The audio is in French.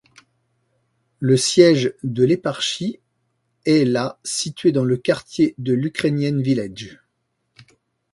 Le siège de l'éparchie est la située dans le quartier de l'Ukrainian Village.